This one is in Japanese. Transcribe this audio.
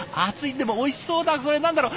でもおいしそうだそれ何だろう？